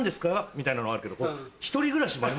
みたいなのあるけど。